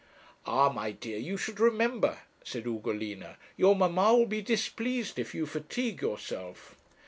'Ah but, my dear you should remember,' said Ugolina; 'your mamma will be displeased if you fatigue yourself.'